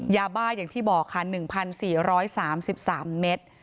ยาบ้าอย่างที่บอกค่ะ๑๔๓๓เมตร